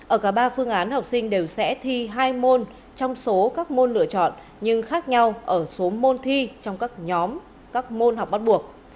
ở cả ba phương án học sinh đều sẽ thi hai môn trong số các môn lựa chọn nhưng khác nhau ở số môn thi trong các nhóm các môn học bắt buộc